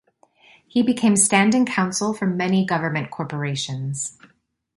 He became standing counsel for many Government Corporations.